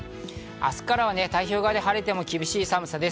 明日からは太平洋側で晴れても厳しい寒さです。